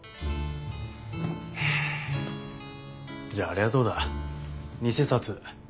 じゃああれはどうだ偽札。